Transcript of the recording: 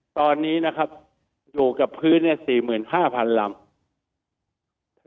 ตอนนี้นะครับอยู่กับพื้น๔๕๐๐๐ลำ